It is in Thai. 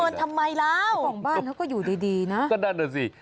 ทำไมแล้วของบ้านเขาก็อยู่ดีดีนะก็นั่นน่ะสิ